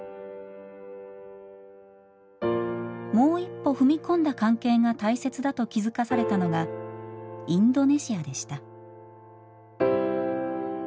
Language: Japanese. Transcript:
もう一歩踏み込んだ関係が大切だと気付かされたのがインドネシアでした。